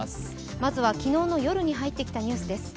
まずは、昨日の夜に入ってきたニュースです。